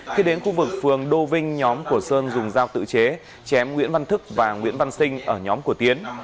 khi đến khu vực phường đô vinh nhóm của sơn dùng dao tự chế chém nguyễn văn thức và nguyễn văn sinh ở nhóm của tiến